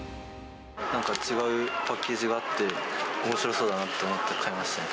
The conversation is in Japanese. なんか違うパッケージがあって、おもしろそうだなと思って買いましたね。